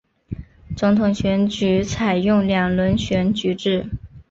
总统选举采用两轮选举制。